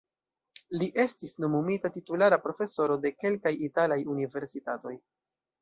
Li estis nomumita titulara profesoro de kelkaj italaj universitatoj.